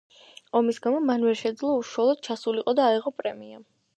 ომის გამო მან ვერ შეძლო უშუალოდ ჩასულიყო და აეღო პრემია.